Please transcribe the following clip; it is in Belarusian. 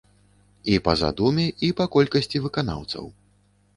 І па задуме, і па колькасці выканаўцаў.